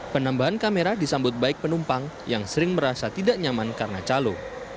penambahan kamera disambut baik penumpang yang sering merasa tidak nyaman karena calo